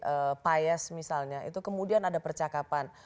ada payes misalnya itu kemudian ada percakapan